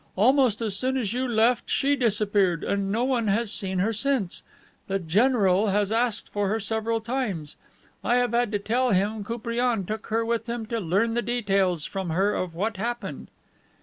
Almost as soon as you left she disappeared, and no one has seen her since. The general has asked for her several times. I have had to tell him Koupriane took her with him to learn the details from her of what happened."